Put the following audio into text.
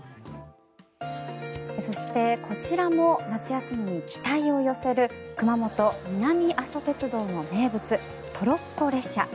そして、こちらも夏休みに期待を寄せる熊本・南阿蘇鉄道の名物トロッコ列車。